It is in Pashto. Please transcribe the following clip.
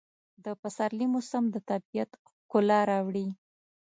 د پسرلي موسم د طبیعت ښکلا راوړي.